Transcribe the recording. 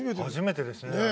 初めてですね。